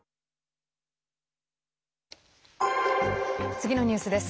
次のニュースです。